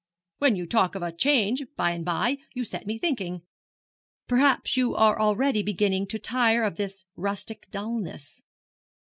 'When you talk of a change by and by, you set me thinking. Perhaps you are already beginning to tire of this rustic dullness.'